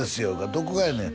「どこがやねん？」